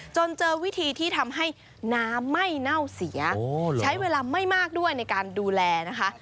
จนเจอวิธีที่ทำให้น้ำไม่เน่าเสียใช้เวลาไม่มากด้วยในการดูแลนะคะ